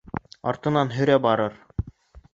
Артынан һөрә барыр.